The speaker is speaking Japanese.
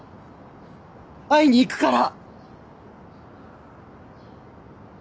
会いにいくから。